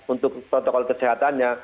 untuk protokol kesehatannya